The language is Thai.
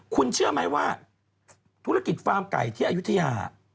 คุณเชื่อไหมว่าธุรกิจฟาร์มไก่ที่อายุทยา